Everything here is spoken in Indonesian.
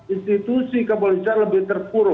institusi kepolisian lebih terpuru